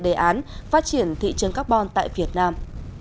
đề án phát triển thị trường carbon tại việt nam